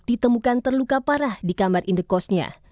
ditemukan terluka parah di kamar indekosnya